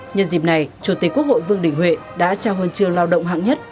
nhân dịp này chủ tịch quốc hội vương đình huệ đã trao huân trường lao động hạng nhất